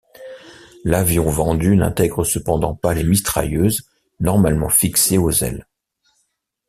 L'avion vendu n'intégre cependant pas les mitrailleuses normalement fixées aux ailes.